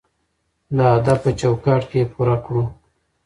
د ادب په چوکاټ کې یې پوره کړو.